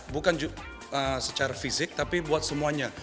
bukan secara fisik tapi buat semuanya